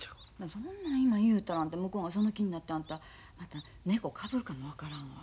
そんなん今言うたらあんた向こうがその気になってあんた猫かぶるかも分からんわ。